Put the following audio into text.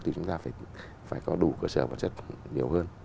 thì chúng ta phải có đủ cơ sở vật chất nhiều hơn